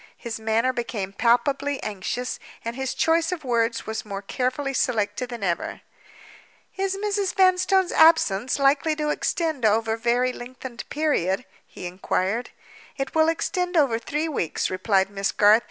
His manner became palpably anxious; and his choice of words was more carefully selected than ever. "Is Mrs. Vanstone's absence likely to extend over any very lengthened period?" he inquired. "It will extend over three weeks," replied Miss Garth.